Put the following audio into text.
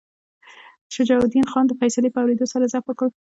شجاع الدین خان د فیصلې په اورېدو سره ضعف وکړ.